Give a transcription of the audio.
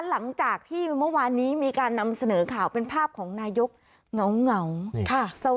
หลังจากที่เมื่อวานนี้มีการนำเสนอข่าวเป็นภาพของนายกเหงา